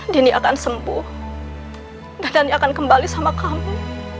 dini akan sembuh dan dini akan kembali sama kamu